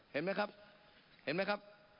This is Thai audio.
เห็นมั้ยครับเห็นมั้ยครับ